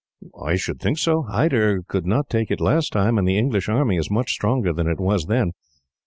"I should think so. Hyder could not take it last time, and the English army is much stronger than it was then.